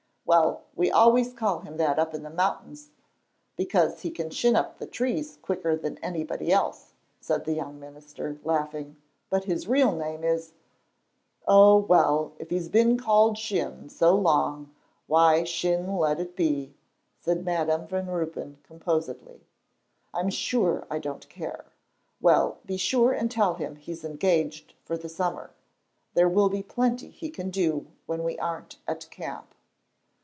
"Well, we always call him that up in the mountains, because he can shin up the trees quicker than anybody else," said the young minister, laughing, "but his real name is " "Oh, well, if he's been called Shin so long, why Shin let it be," said Madam Van Ruypen, composedly; "I'm sure I don't care. Well, be sure and tell him he's engaged for the summer. There will be plenty he can do when we aren't at camp."